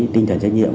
tinh thần trách nhiệm